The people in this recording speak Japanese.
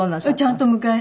ちゃんと迎え。